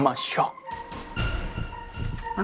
aura itu ma